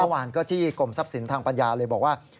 เมื่อวานก็จี้กรมทรัพย์สินทางปัญญาเลยบอกว่า